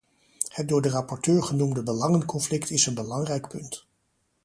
Het door de rapporteur genoemde belangenconflict is een belangrijk punt.